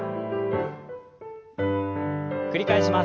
繰り返します。